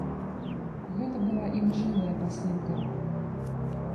Гэта была ілжывая пасылка.